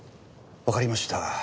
わかりました。